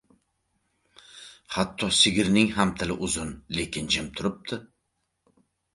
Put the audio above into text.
• Hatto sigirning ham tili uzun, lekin jim turibdi.